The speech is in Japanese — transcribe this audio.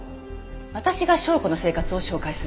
私が紹子の生活を紹介する。